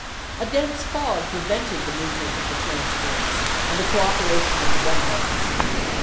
A dense fog prevented the movement of the transports and the cooperation of the gunboats.